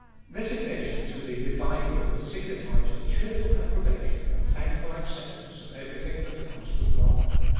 Resignation to the divine will signifies a cheerful approbation and thankful acceptance of every thing that comes from God.